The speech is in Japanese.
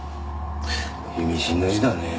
意味深な字だね。